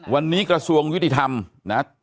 วันนี้กระทรวงยุติธรรมนะ